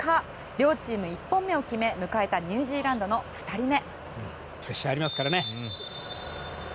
両チーム１本目を決め、迎えたニュージーランドの２人目。